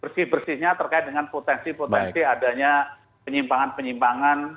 bersih bersihnya terkait dengan potensi potensi adanya penyimpangan penyimpangan